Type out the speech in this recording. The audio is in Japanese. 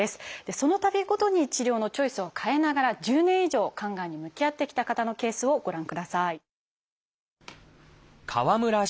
そのたびごとに治療のチョイスを変えながら１０年以上肝がんに向き合ってきた方のケースをご覧ください。